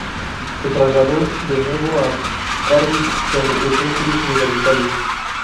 Se trasladó de nuevo a Cardiff, donde cursó estudios universitarios.